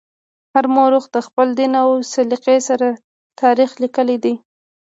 هر مورخ د خپل دین او سلیقې سره تاریخ لیکلی دی.